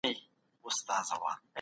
يو ساعت شپېته دقيقې حتمي کیږي.